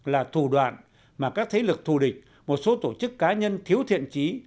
là thủ đoạn mà các thế lực thù địch một số tổ chức cá nhân thiếu thiện trí